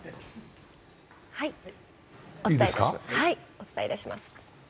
お伝えいたします。